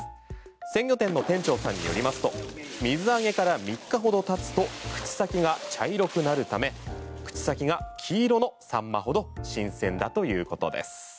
鮮魚店の店長さんによりますと水揚げから３日ほどたつと口先が茶色くなるため口先が黄色のサンマほど新鮮だということです。